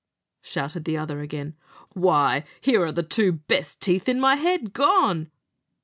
shouted the other again; "why, here are the two best teeth in my head gone."